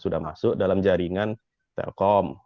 sudah masuk dalam jaringan telkom